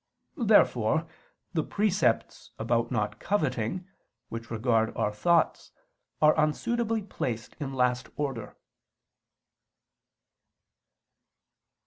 Therefore the precepts about not coveting, which regard our thoughts, are unsuitably placed last in order.